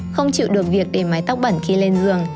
không chịu được việc để mái tóc bẩn khi lên giường